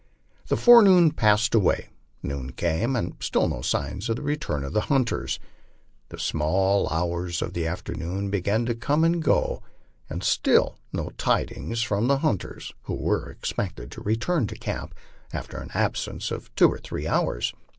The forenoon passed away, noon came, and still no signs of the return of the hunters. The small hours of the afternoon began to come and go, and still no tidings from the hunters, who were expected to return to camp after an absence of two or three hours.